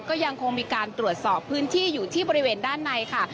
ก็ยังคงมีการตรวจสอบพื้นที่อยู่ที่บริเวณด้านในค่ะ